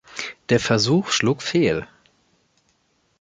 Der Versuch schlug fehl.